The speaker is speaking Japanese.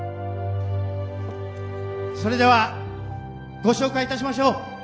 それではご紹介いたしましょう。